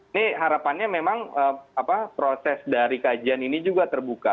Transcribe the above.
ini harapannya memang proses dari kajian ini juga terbuka